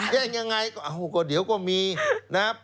แย่งยังไงเดี๋ยวก็มีนะครับ